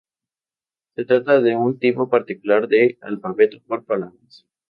Se trata de un tipo particular de Alfabeto por palabras.